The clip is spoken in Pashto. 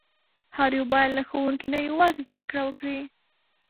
هر یو باید له ښوونکي نه یوازې زده کړه وکړي.